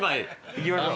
行きましょう。